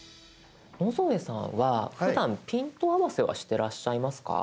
野添さんはふだんピント合わせはしてらっしゃいますか？